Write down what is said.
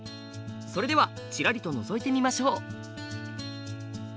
それではちらりとのぞいてみましょう。